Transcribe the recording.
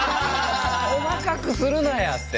細かくするなやって。